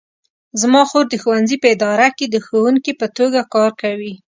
زما خور د ښوونځي په اداره کې د ښوونکې په توګه کار کوي